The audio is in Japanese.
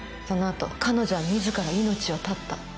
そのあと彼女は自ら命を絶った。